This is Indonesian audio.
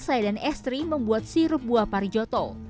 saya dan estri membuat sirup buah parijoto